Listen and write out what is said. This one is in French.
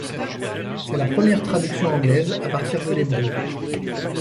C'est la première traduction anglaise à partir de l'hébreu.